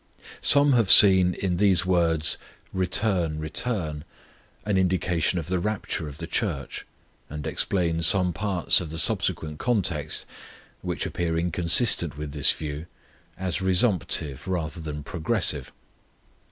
Some have seen in these words, "Return, return," an indication of the rapture of the Church; and explain some parts of the subsequent context, which appear inconsistent with this view, as resumptive rather than progressive.